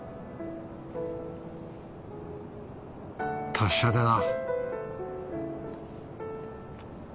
達者でな。